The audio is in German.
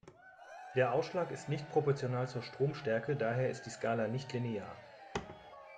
Der Ausschlag ist nicht proportional zur Stromstärke, daher ist die Skala nicht linear.